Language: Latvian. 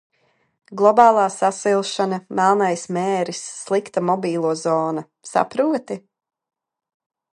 Globālā sasilšana, melnais mēris, slikta mobilo zona, saproti?